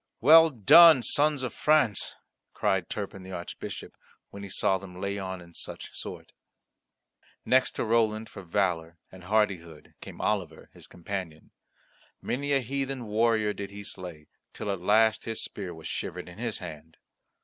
"Well done, Sons of France!" cried Turpin the Archbishop, when he saw them lay on in such sort. Next to Roland for valour and hardihood came Oliver, his companion. Many a heathen warrior did he slay, till at last his spear was shivered in his hand.